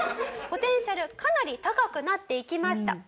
ポテンシャルかなり高くなっていきました。